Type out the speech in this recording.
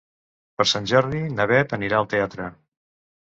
Per Sant Jordi na Bet anirà al teatre.